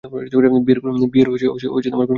বিয়ের কোনো দরকার নেই।